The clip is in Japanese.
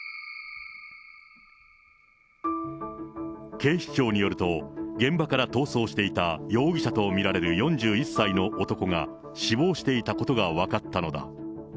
警視庁によると、現場から逃走していた容疑者と見られる４１歳の男が、死亡していたことが分かったのだ。